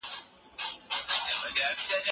سياسي نفوذ د ټولنيز بدلون لامل کېږي.